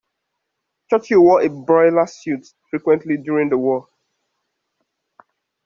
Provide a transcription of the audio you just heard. Churchill wore a boiler suit frequently during the war